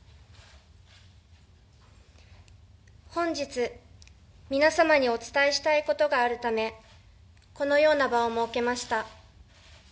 本日、皆様にお伝えしたいことがあるためこのような場を設けました。